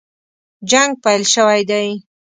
جنګ پیل شوی دی.